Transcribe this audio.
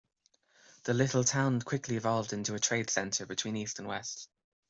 The little town quickly evolved into a trade center between east and west.